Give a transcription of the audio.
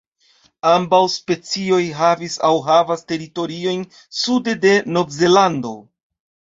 Ambaŭ specioj havis aŭ havas teritoriojn sude de Novzelando.